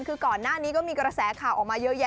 คือก่อนหน้านี้ก็มีกระแสข่าวออกมาเยอะแยะ